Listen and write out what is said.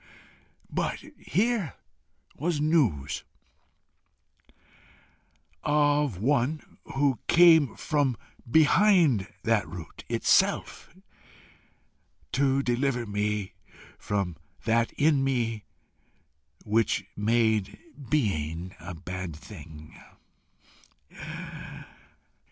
But here was news of one who came from behind that root itself to deliver me from that in me which made being a bad thing!